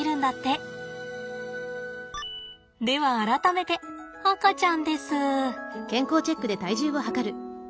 では改めて赤ちゃんです。